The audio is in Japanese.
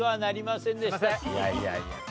いやいやいや。